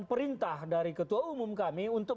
perintah dari ketua umum kami untuk